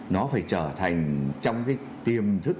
nó phải trở thành trong cái tiềm thức